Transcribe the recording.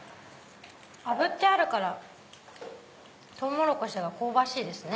炙ってあるからトウモロコシが香ばしいですね。